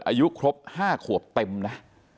อายุครบ๕ขวบเต็มนะ